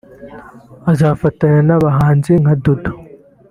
azafatanya n’abahanzi nka Dudu